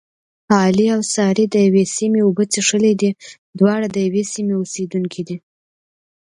علي او سارې دیوې سیمې اوبه څښلې دي. دواړه د یوې سیمې اوسېدونکي دي.